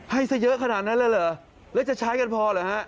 ให้สะเยอะขนาดนั้นแล้วเหรอแล้วจะใช้กันพอหรือครับ